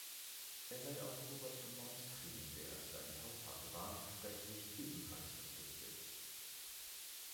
Er sei auch Robert von Neustrien, der sein Taufpate war, rechtlich ebenfalls verpflichtet.